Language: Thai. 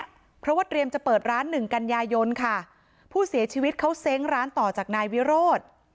เพราะว่าเตรียมจะเปิดร้านหนึ่งกันยายนค่ะผู้เสียชีวิตเขาเซ้งร้านต่อจากนายวิโรธ